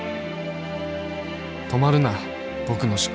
止まるな僕の思考